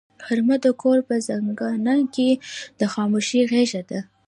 غرمه د کور په زنګانه کې د خاموشۍ غېږه ده